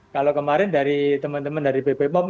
kalau kemarin dari teman teman dari bepom